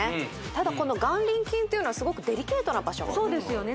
ただこの眼輪筋というのはすごくデリケートな場所そうですよね